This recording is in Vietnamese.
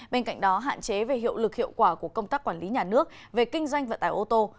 bên cạnh đó hạn chế về hiệu lực hiệu quả của công tác quản lý nhà nước về kinh doanh vận tải ô tô